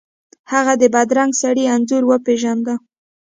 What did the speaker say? هغه د بدرنګه سړي انځور وپیژنده.